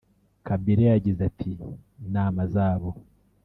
Kabila yagize ati “Inama zabo